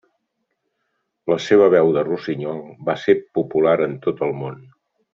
La seva veu de rossinyol va ser popular en tot el món.